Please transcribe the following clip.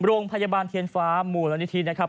โรงพยาบาลเทียนฟ้ามูลนิธินะครับ